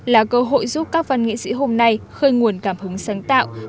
là cơ hội giúp các văn nghệ sĩ hôm nay khơi nguồn cảm hứng sáng tạo